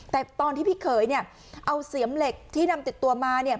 แต่ตอนที่พี่เขยเนี่ยเอาเสียมเหล็กที่นำติดตัวมาเนี่ย